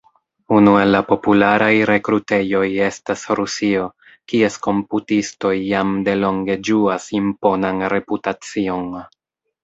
Unu el la popularaj rekrutejoj estas Rusio, kies komputistoj jam delonge ĝuas imponan reputacion.